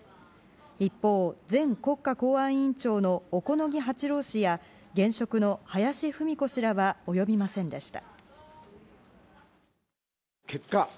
一方、前国家公安委員長の小此木八郎氏や現職の林文子氏らは及びませんでした。